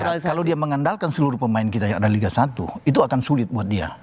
kalau dia mengandalkan seluruh pemain kita yang ada liga satu itu akan sulit buat dia